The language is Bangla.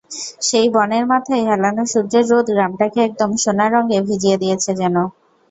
সেই বনের মাথায় হেলানো সূর্যের রোদ গ্রামটাকে একদম সোনারঙে ভিজিয়ে দিয়েছে যেন।